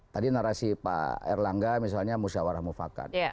tadi narasi pak erlangga misalnya musyawarah mufakat